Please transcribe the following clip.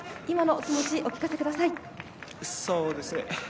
今のお気持ち、お聞かせください。